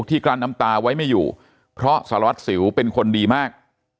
กลั้นน้ำตาไว้ไม่อยู่เพราะสารวัตรสิวเป็นคนดีมาก